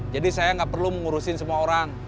jadi saya gak perlu mengurusin semua orang